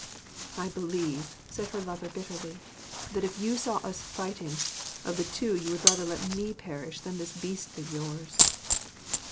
'I believe,' said her lover bitterly, 'that if you saw us fighting, of the two you would rather let me perish than this Beast of yours.'